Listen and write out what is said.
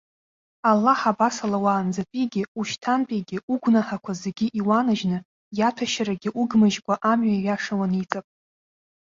Аллаҳ абас ала уаанӡатәигьы ушьҭантәигьы угәнаҳақәа зегьы иуанажьны, иаҭәашьарагьы угмыжькәа амҩа иаша уаниҵап.